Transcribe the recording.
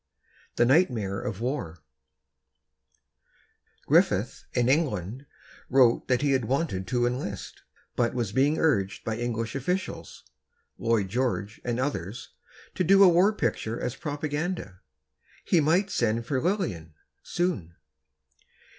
X THE NIGHTMARE OF WAR Griffith, in England, wrote that he had wanted to enlist, but was being urged by English officials, Lloyd George and others, to do a war picture as propaganda. He might send for Lillian, soon.